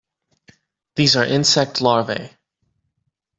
These are insect Larvae.